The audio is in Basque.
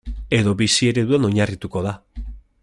Edo bizi ereduan oinarrituko da.